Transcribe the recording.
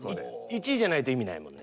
１位じゃないと意味ないもんね。